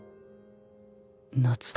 夏だ。